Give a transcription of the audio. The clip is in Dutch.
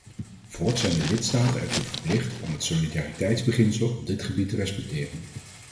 Voorts zijn de lidstaten ertoe verplicht om het solidariteitsbeginsel op dit gebied te respecteren.